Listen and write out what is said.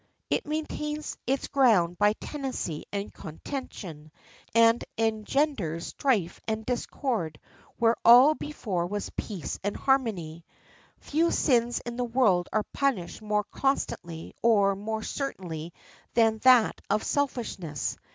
It maintains its ground by tenacity and contention, and engenders strife and discord where all before was peace and harmony. Few sins in the world are punished more constantly or more certainly than that of selfishness.